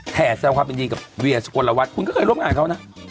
แท้แซวความอินดีกับเวียสุโกนละวัดคุณก็เคยร่วมงานเขานะ